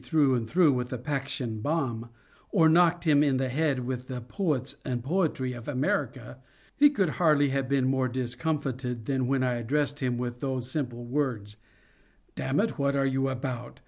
through and through with a Paixhan bomb, or knocked him in the head with the "Poets and Poetry of America," he could hardly have been more discomfited than when I addressed him with those simple words: "Dammit, what are you about?